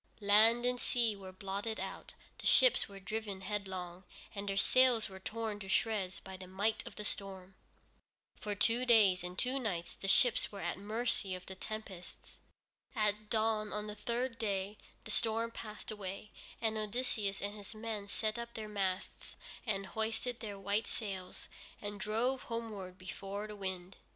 Land and sea were blotted out, the ships were driven headlong, and their sails were torn to shreds by the might of the storm. For two days and two nights the ships were at the mercy of the tempests. At dawn on the third day, the storm passed away, and Odysseus and his men set up their masts and hoisted their white sails, and drove homeward before the wind.